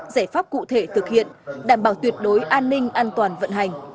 giải pháp cụ thể thực hiện đảm bảo tuyệt đối an ninh an toàn vận hành